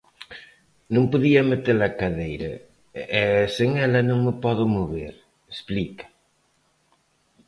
Non podía meter a cadeira e sen ela non me podo mover, explica.